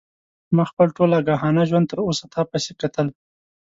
ما خپل ټول آګاهانه ژوند تر اوسه تا پسې کتل.